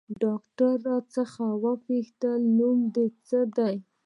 ډاکتر راڅخه وپوښتل نوم دې څه ديه.